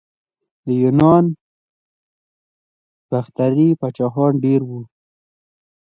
د یونانو باختري پاچاهان ډیر وو